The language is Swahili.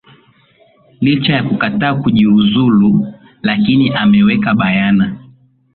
licha ya kukataa kujiuzulu lakini ameweka bayana